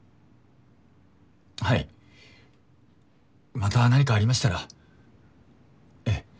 また何かありましたらええ